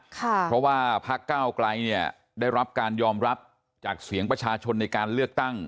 เพราะว่าพักเก้าไกลเนี่ยได้รับการยอมรับจากเสียงประชาชนในการเลือกตั้ง